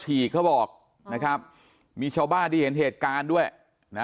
ฉีกเขาบอกนะครับมีชาวบ้านที่เห็นเหตุการณ์ด้วยนะ